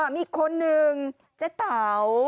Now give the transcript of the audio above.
มีอีกคนนึงเจ๊เต๋า